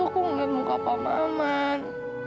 aku melihat muka pak maman